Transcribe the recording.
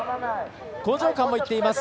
興譲館もいっています。